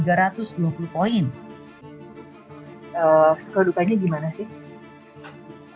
suka dukanya gimana sis